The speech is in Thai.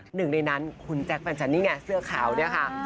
หนึ่งในนั้นคุณแจ๊คปัญจันนี่ไงเสื้อขาวเนี่ยค่ะ